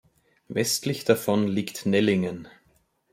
Westlich davon liegt Nellingen.